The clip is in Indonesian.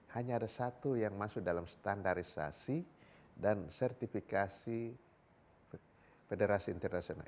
hanya ada satu yang masuk dalam standarisasi dan sertifikasi federasi internasional